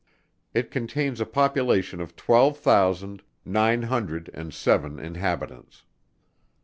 It contains a population of twelve thousand nine hundred and seven inhabitants.